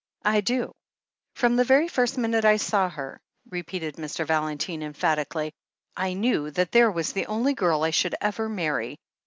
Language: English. "I do. From the very first minute I saw her," re peated Mr. Valentine emphatically, "I knew that there was the only girl I should ever marry.